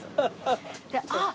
あっ！